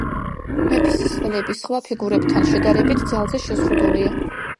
მეფის სვლები, სხვა ფიგურებთან შედარებით, ძალზე შეზღუდულია.